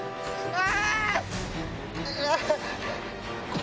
あ！